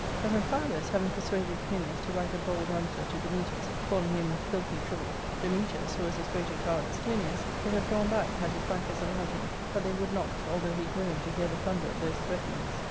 But Amphialus having persuaded Clinias to write a bold answer to Dametas, calling him a " filthy drivel," Dametas, who was as great a coward as Clinias, would have drawn back had his backers allowed him, but they would not, al though he groaned to hear the thunder of those threaten ings.